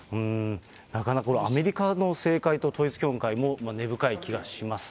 なかなかこれ、アメリカの政界と統一教会も根深い気がします。